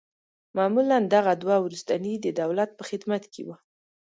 معمولاً دغه دوه وروستني د دولت په خدمت کې وه.